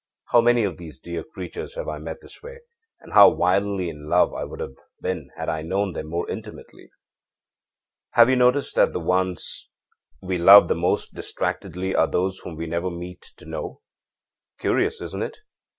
How many of these dear creatures have I met this way, and how wildly in love I would have been had I known them more intimately. âHave you ever noticed that the ones we would love the most distractedly are those whom we never meet to know? Curious, isn't it?